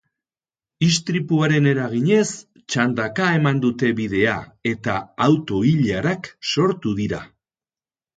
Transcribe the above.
Istripuaren eraginez, txandaka eman dute bidea, eta auto-ilarak sortu dira.